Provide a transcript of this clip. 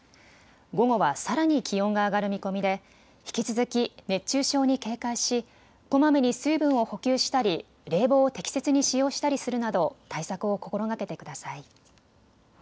午後はさらに気温が上がる見込みで引き続き熱中症に警戒しこまめに水分を補給したり冷房を適切に使用したりするなど対策を心がけてください。